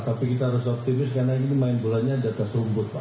tapi kita harus optimis karena ini main bolanya di atas rumput pak